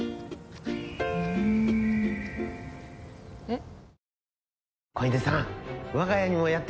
えっ？